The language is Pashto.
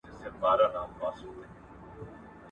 د دوی ليکنې د بشريت سرمايه ده.